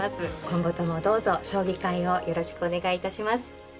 今度ともどうぞ将棋界をよろしくお願いいたします。